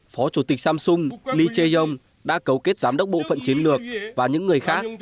phó chủ tịch samsung lee jae yong đã cấu kết giám đốc bộ phận chiến lược và những người khác